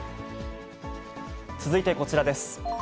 続いてこちらです。